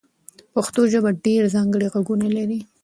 پښتو ژبه ډېر ځانګړي غږونه لري.